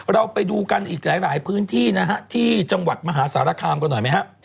เราไปดูกันอีกหลายพื้นที่นะฮะที่จังหวัดมหาสารคามกันหน่อยไหมฮะ